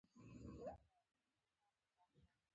د ناپوهۍ فرضیه د حل لپاره چټک وړاندیزونه کوي.